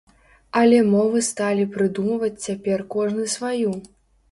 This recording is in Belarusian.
Але мовы сталі прыдумваць цяпер кожны сваю!